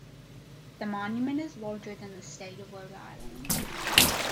The monument is larger than the state of Rhode Island.